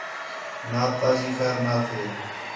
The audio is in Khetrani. نات تاں جی خیر نا تھے